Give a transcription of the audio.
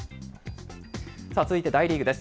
さあ続いて、大リーグです。